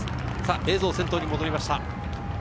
映像は先頭に戻りました。